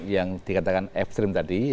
yang dikatakan ekstrim tadi